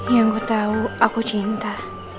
yang gue tau aku cinta